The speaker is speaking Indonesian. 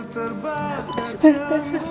terima kasih banyak ya